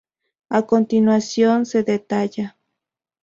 A continuación se detalla.